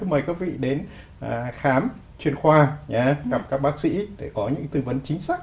mời các vị đến khám chuyên khoa gặp các bác sĩ để có những tư vấn chính sách